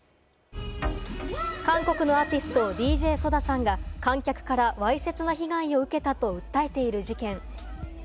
韓国のアーティスト・ＤＪＳＯＤＡさんが観客からわいせつの被害を受けたと訴えている事件。